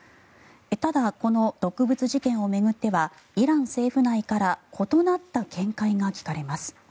ただ、この毒物事件を巡ってはイラン政府内から異なった見解が聞かれます。